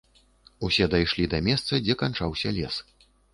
Усе дайшлі да месца, дзе канчаўся лес.